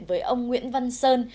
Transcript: với ông nguyễn văn sơn